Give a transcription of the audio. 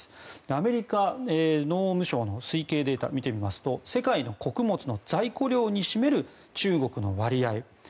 アメリカ農務省の推計データを見てみますと世界の穀物の在庫量に占める中国の割合。